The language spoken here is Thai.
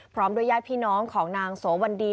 พร้อมด้วยญาติพี่น้องของนางโสวันดี